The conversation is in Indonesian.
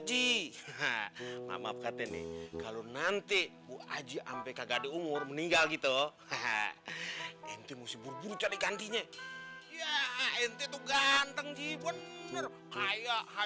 sampai jumpa di video selanjutnya